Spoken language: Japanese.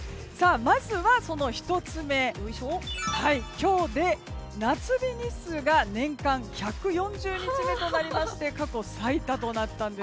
まず１つ目今日で夏日の日数が年間１４０日目となりまして過去最多となったんです。